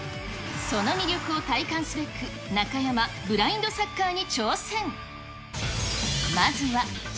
その魅力を体感すべく、中山、ブラインドサッカーに挑戦。